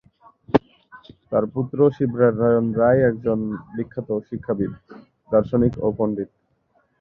তার পুত্র শিবনারায়ণ রায় একজন বিখ্যাত শিক্ষাবিদ, দার্শনিক ও পণ্ডিত।